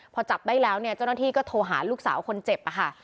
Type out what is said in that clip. พอจับได้แล้วเนี่ยเจ้าหน้าที่ก็โทรหาลูกสาวคนเจ็บค่ะ